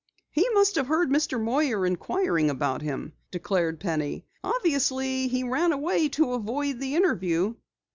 "He must have heard Mr. Moyer inquiring about him," declared Penny. "Obviously he ran away to avoid the interview."